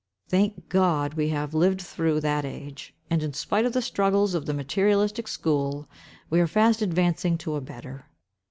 Thank God! we have lived through that age, and in spite of the struggles of the materialistic school, we are fast advancing to a better.